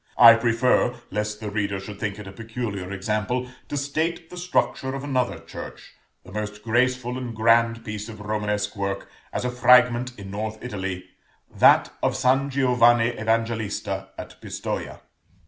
I prefer, lest the reader should think it a peculiar example, to state the structure of another church, the most graceful and grand piece of Romanesque work, as a fragment, in north Italy, that of San Giovanni Evangelista at Pistoja.